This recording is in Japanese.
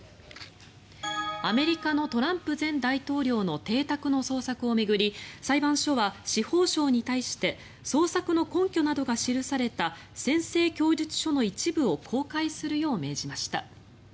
アメリカのトランプ前大統領の邸宅の捜索を巡り裁判所は司法省に対して捜索の根拠などが記された宣誓供述書の一部を公開するよう命じました。